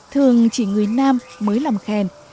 thường chỉ người nam mới làm khen